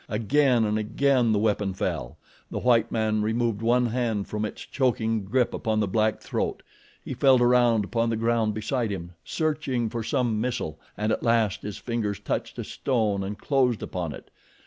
Again and again the weapon fell. The white man removed one hand from its choking grip upon the black throat. He felt around upon the ground beside him searching for some missile, and at last his fingers touched a stone and closed upon it.